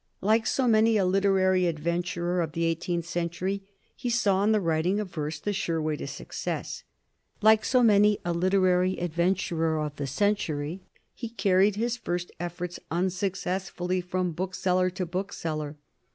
Like so many a literary adventurer of the eighteenth century, he saw in the writing of verse the sure way to success. Like so many a literary adventurer of the century, he carried his first efforts unsuccessfully from bookseller to bookseller.